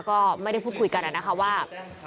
ก็ไม่ได้พูดคุยกันนะคะว่า